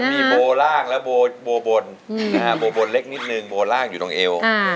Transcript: มีโบล่างและโบบนโบบนเล็กนิดนึงโบล่างอยู่ตรงเอว